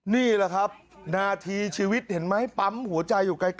นี่แหละครับนาทีชีวิตเห็นไหมปำหัวใจอยู่ไกลนั่นน่ะ